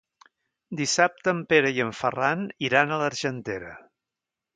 Dissabte en Pere i en Ferran iran a l'Argentera.